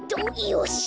よし。